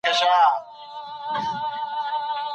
افغانان د خنزیر غوښه نه خوري.